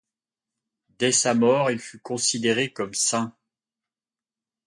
Dès sa mort, il fut considéré comme saint.